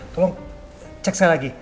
tolong cek sekali lagi